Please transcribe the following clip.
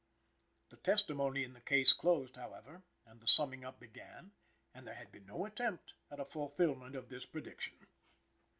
The testimony in the case closed, however, and the summing up began, and there had been no attempt at a fulfillment of this prediction.